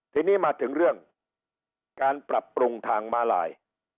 ทีนี้มาถึงเรื่องการปรับปรุงทางมาลาย